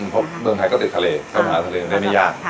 เพราะเมืองไทยก็ติดทะเลก็หาทะเลได้ไม่ยาก